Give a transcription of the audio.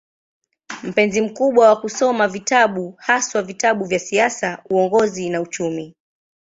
Mpenzi mkubwa wa kusoma vitabu, haswa vitabu vya siasa, uongozi na uchumi.